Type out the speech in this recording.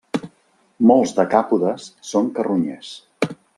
Molts decàpodes són carronyers.